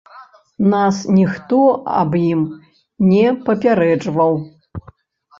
Нас ніхто аб ім не папярэджваў.